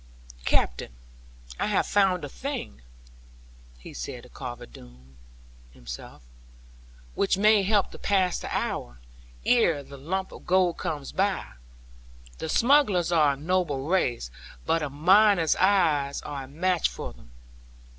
'Captain, I have found a thing,' he said to Carver Doone, himself, 'which may help to pass the hour, ere the lump of gold comes by. The smugglers are a noble race; but a miner's eyes are a match for them.